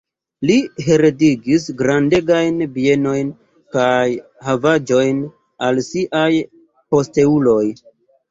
Li heredigis grandegajn bienojn kaj havaĵon al siaj posteuloj.